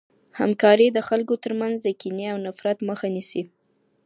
همکاري د خلګو ترمنځ د کینې او نفرت مخه نیسي.